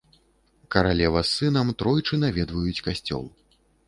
Каралева з сынам тройчы наведваюць касцёл.